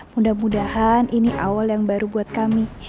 mudah mudahan ini awal yang baru buat kami